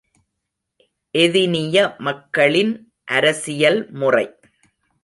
எதினிய மக்களின் அரசியல் முறை.